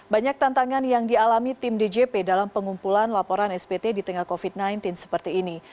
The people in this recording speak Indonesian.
banyak tantangan yang dialami tim djp dalam pengumpulan laporan spt di tengah covid sembilan belas seperti ini